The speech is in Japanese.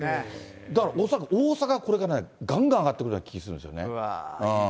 だから、大阪、これからがんがん上がってくるような気ぃするんですよね。